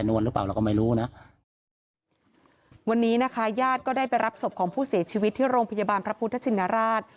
วันนี้นะคะญาติก็ได้ไปรับศพของผู้เสียชีวิตที่โรงพยาบาลพระพุทธชินราช